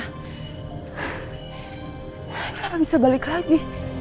kenapa bisa balik lagi